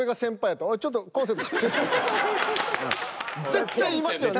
絶対言いますよね。